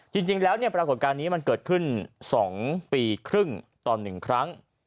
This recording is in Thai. จริงแล้วปรากฏการณ์นี้เกิดขึ้น๒ปีครึ่งตอน๑ครั้ง